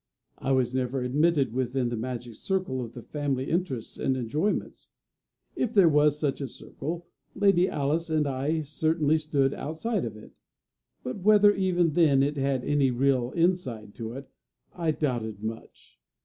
I was never admitted within the magic circle of the family interests and enjoyments. If there was such a circle, Lady Alice and I certainly stood outside of it; but whether even then it had any real inside to it, I doubted much.